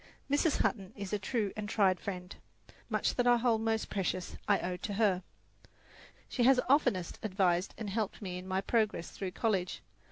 Mrs. Hutton is a true and tried friend. Much that I hold sweetest, much that I hold most precious, I owe to her. She has oftenest advised and helped me in my progress through college.